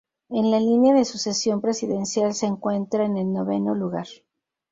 En la línea de sucesión presidencial, se encuentra en el noveno lugar.